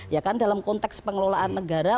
ya kan dalam konteks pengelolaan negara